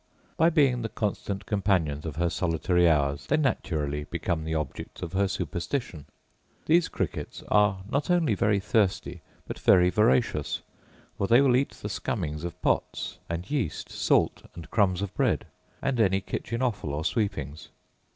By being the constant companions of her solitary hours they naturally become the objects of her superstition. These crickets are not only very thirsty, but very voracious; for they will eat the scummings of pots, and yeast, salt, and crumbs of bread; and any kitchen offal or sweepings.